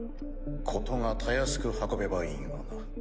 事がたやすく運べばいいがな。